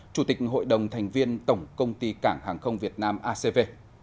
chủ tịch hội đồng thành viên tổng công ty cảng hàng không việt nam acv